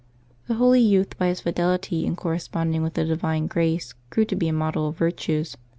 The holy youth, by his fidelity in corresponding with the divine grace, grew to be a model of virtues.